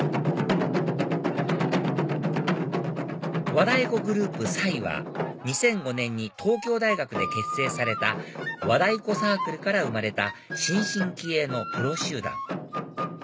和太鼓グループ彩は２００５年に東京大学で結成された和太鼓サークルから生まれた新進気鋭のプロ集団